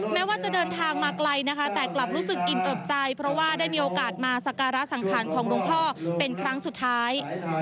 แม้ว่าจะเดินทางมาไกลนะคะแต่กลับรู้สึกอิ่มเอิบใจเพราะว่าได้มีโอกาสมาสการะสังขารของหลวงพ่อเป็นครั้งสุดท้าย